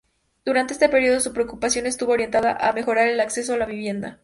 Durante ese período, su preocupación estuvo orientada a mejorar el acceso a la vivienda.